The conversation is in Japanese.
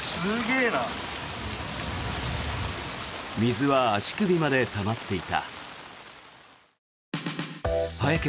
水は足首までたまっていた。